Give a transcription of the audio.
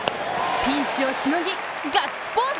ピンチをしのぎ、ガッツポーズ。